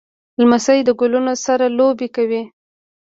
لمسی له ګلونو سره لوبې کوي.